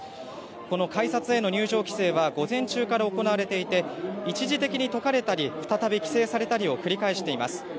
この改札への入場規制は午前中から行われていて一時的に解かれたり再び規制されたりを繰り返しています。